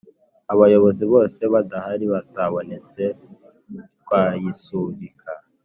Abayobozi bose badahari batabonetse twayisubika